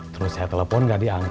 terus saya telepon gak diangkat